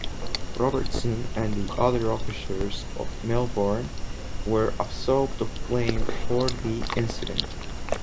Robertson and the other officers of "Melbourne" were absolved of blame for the incident.